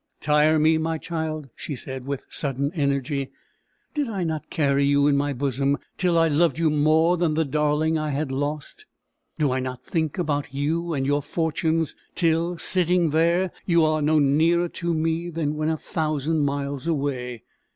"Tire me, my child!" she said, with sudden energy. "Did I not carry you in my bosom, till I loved you more than the darling I had lost? Do I not think about you and your fortunes, till, sitting there, you are no nearer to me than when a thousand miles away?